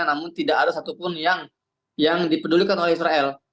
namun tidak ada satupun yang dipedulikan oleh israel